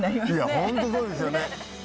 いや本当そうですよね。